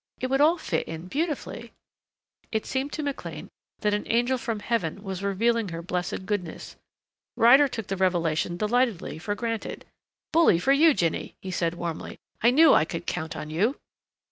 It would all fit in beautifully." It seemed to McLean that an angel from Heaven was revealing her blessed goodness. Ryder took the revelation delightedly for granted. "Bully for you, Jinny," he said warmly. "I knew I could count on you."